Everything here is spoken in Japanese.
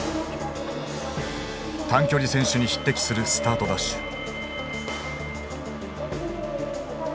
短距離選手に匹敵するスタートダッシュ。